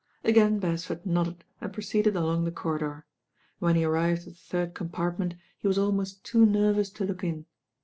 Again Beresford nodded and proceeded along the corridor. When he arrived at the third com partment he was ahnost too nervous to look in.